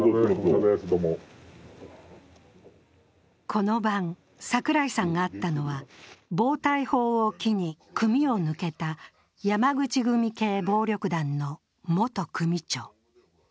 この晩、櫻井さんが会ったのは暴対法を機に組を抜けた山口組系暴力団の元組長。